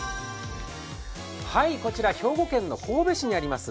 こちら兵庫県の神戸市にあります